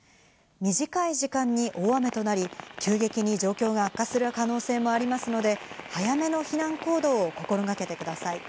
短い時間に大雨となり急激に状況が悪化する可能性もありますので、早めの避難行動を心がけてください。